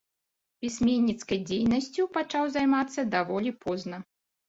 Пісьменніцкай дзейнасцю пачаў займацца даволі позна.